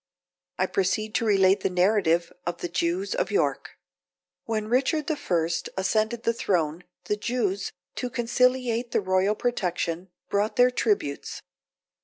I proceed to relate the narrative of the Jews of York. When Richard I. ascended the throne, the Jews, to conciliate the royal protection, brought their tributes.